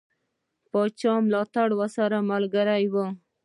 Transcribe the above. د پاچا ملاتړ راسره ملګری وو.